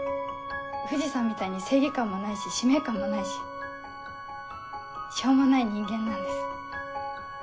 藤さんみたいに正義感もないし使命感もないししょうもない人間なんです。